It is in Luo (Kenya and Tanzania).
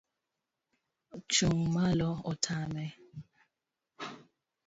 Chung' malo otame